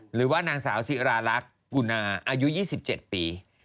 หรือว่านางสาวสิราลักษณ์กุณาอายุ๒๗ปี